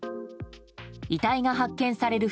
遺体が発見される